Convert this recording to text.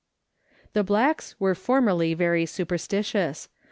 The blacks were formerly very superstitious.